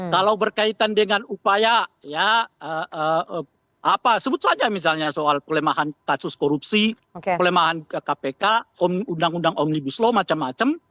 kalau berkaitan dengan upaya ya apa sebut saja misalnya soal pelemahan kasus korupsi pelemahan kpk undang undang omnibus law macam macam